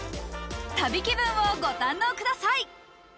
旅気分をご堪能ください。